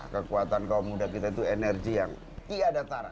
kekuatan kaum muda kita itu energi yang tiada tarak